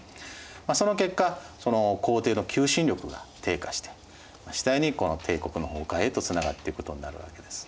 その結果皇帝の求心力が低下して次第に帝国の崩壊へとつながっていくことになるわけです。